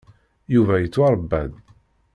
Yuba yettwaṛebba-d.